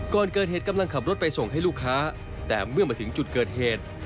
ก่อนเกิดเหตุกำลังขับรถไปส่งให้ลูกค้าแต่เมื่อมาถึงจุดเกิดเหตุ